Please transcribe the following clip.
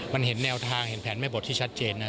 มันเห็นแนวทางเห็นแผนแม่บทที่ชัดเจนนะ